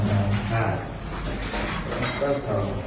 เมื่อไหร่ครับ